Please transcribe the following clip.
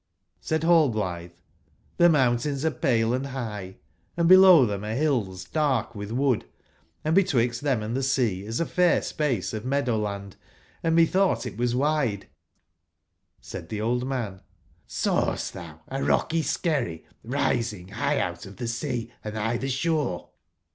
8aid ^all/ ^^fflblitbe: ''TIbe mountains are pale and bigb, and below tbem are bills darh witb wood, and be twixt tbem and tbe sea is a fair space of meadow land, and metbougbt it was wide^j^Said tbe old man : ^'Sawest tbou a rocky skerry rising bigb out of tbe sea anigb tbe shore?"